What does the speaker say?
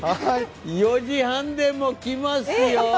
４時半でも来ますよ。